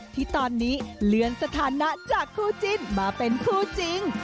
ที่ตอนนี้เลื่อนสถานะจากคู่จิ้นมาเป็นคู่จริง